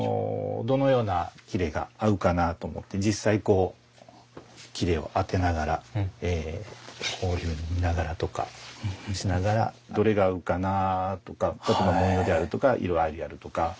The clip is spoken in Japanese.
どのような裂が合うかなと思って実際こう裂を当てながらこういうふうに見ながらとかしながらどれが合うかなとか例えば文様であるとか色合いであるとか。